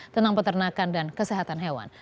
tentang peternakan dan kesehatan hewan